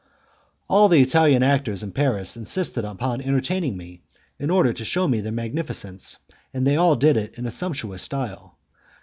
All the Italian actors in Paris insisted upon entertaining me, in order to shew me their magnificence, and they all did it in a sumptuous style.